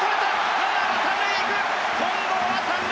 ランナーは３塁へ行く！